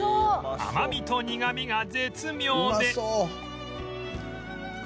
甘みと苦みが絶妙で